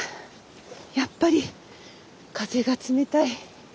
やっぱり風が冷たい。